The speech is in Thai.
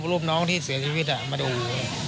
รูปน้องที่เสียชีวิตมาดู